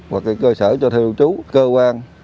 và cơ sở cho thư lưu trú cơ quan